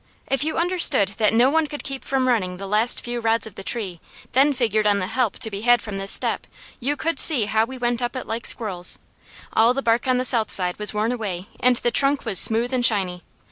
If you understood that no one could keep from running the last few rods from the tree, then figured on the help to be had from this step, you could see how we went up it like squirrels. All the bark on the south side was worn away and the trunk was smooth and shiny.